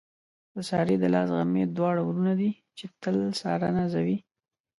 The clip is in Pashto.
د سارې د لاس غمي دواړه وروڼه دي، چې تل ساره نازوي.